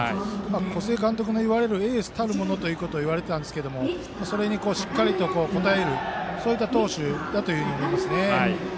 小菅監督が、いわゆるエースたるものと言われていたんですがそれにしっかり応えるそういった投手だと思います。